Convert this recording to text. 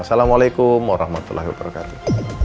assalamualaikum warahmatullahi wabarakatuh